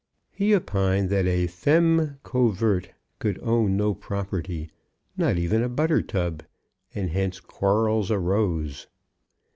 He opined that a femme couverte could own no property, not even a butter tub; and hence quarrels arose.